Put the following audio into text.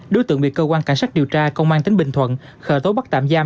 đối tượng bị cơ quan cảnh sát điều tra công an tỉnh bình thuận khởi tố bắt tạm giam